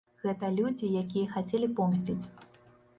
Гэта людзі, якія хацелі помсціць.